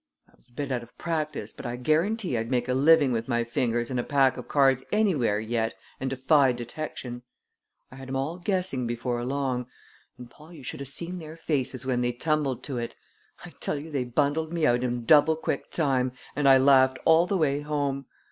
"I was a bit out of practice, but I guarantee I'd make a living with my fingers and a pack of cards anywhere yet and defy detection. I had 'em all guessing before long; and, Paul, you should have seen their faces when they tumbled to it! I tell you they bundled me out in double quick time and I laughed all the way home.